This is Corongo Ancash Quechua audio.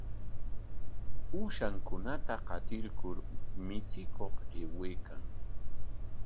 Ushankunata qatirkur michikuq aywaykan.